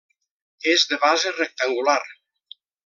És de base rectangular.